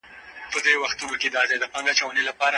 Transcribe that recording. د دلارام ولسوالي د واشېر او ګلستان ترمنځ نښلوونکې ده.